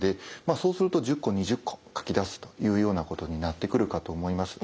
そうすると１０個２０個書き出すというようなことになってくるかと思います。